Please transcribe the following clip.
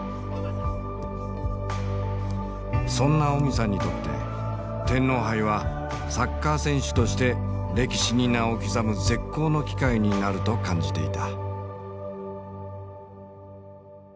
そんなオミさんにとって天皇杯はサッカー選手として歴史に名を刻む絶好の機会になると感じていた。